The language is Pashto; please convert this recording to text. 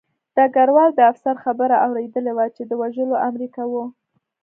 ډګروال د افسر خبره اورېدلې وه چې د وژلو امر یې کاوه